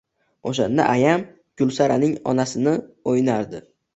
O‘shanda ayam Gulsaraning onasini o‘ynardi.